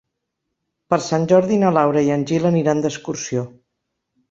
Per Sant Jordi na Laura i en Gil aniran d'excursió.